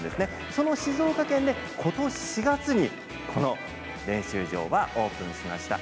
その静岡県で、この４月にこの練習場がオープンしました。